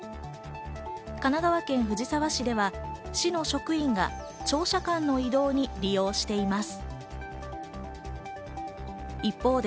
神奈川県藤沢市では市の職員が庁舎間の移動に利用しています。